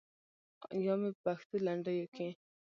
یا مې په پښتو لنډیو کې.